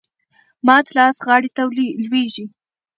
مات لاس غاړي ته لویږي .